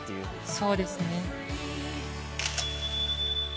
そうですね。